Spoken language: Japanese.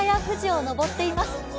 富士を登っています。